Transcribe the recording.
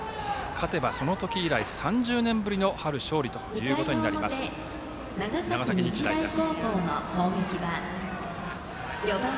勝てばその時以来３０年ぶりの春勝利ということになる長崎日大です。